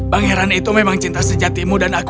pangeran itu memang cinta sejatimu dan aku